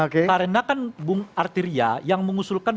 karena kan bung artirya yang mengusulkan